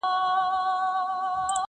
ما پردی ملا لیدلی په محراب کي ځړېدلی؛